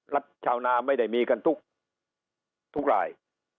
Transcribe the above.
ชาวนาไม่ได้มีกันทุกราย